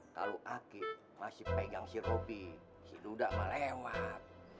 kalo akib masih pegang si robby si duda melewat